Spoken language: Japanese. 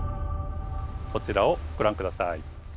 こちらをご覧下さい。